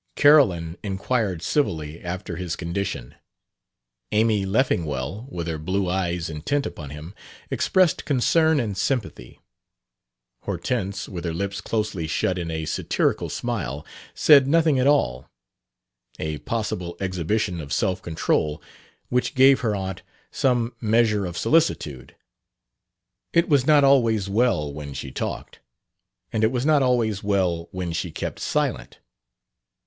Carolyn inquired civilly after his condition; Amy Leffingwell, with her blue eyes intent upon him, expressed concern and sympathy; Hortense, with her lips closely shut in a satirical smile, said nothing at all: a possible exhibition of self control which gave her aunt some measure of solicitude. It was not always well when she talked, and it was not always well when she kept silent.